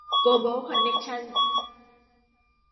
โกลบอล คอนเน็คชั่นส์